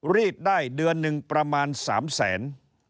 รีดได้เดือนหนึ่งประมาณ๓แสน